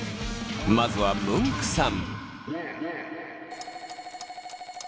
まずはムンクさん。